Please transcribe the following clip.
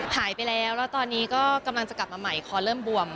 หายไปแล้วแล้วตอนนี้ก็กำลังจะกลับมาใหม่คอเริ่มบวม